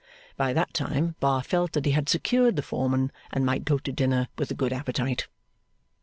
By that time, Bar felt that he had secured the Foreman, and might go to dinner with a good appetite.